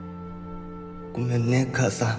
ごめんね母さん。